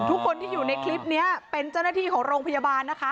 ทุกคนที่อยู่ในคลิปนี้เป็นเจ้าหน้าที่ของโรงพยาบาลนะคะ